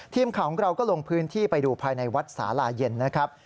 ทีมข่าวของเราก็ลงพื้นที่ไปดูภายในวัดสาลาเย็นนะครับ